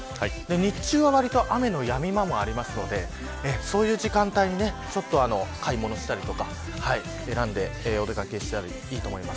日中はわりと、雨のやみ間もありますのでそういう時間帯に買い物したりとか選んでお出掛けしたらいいと思います。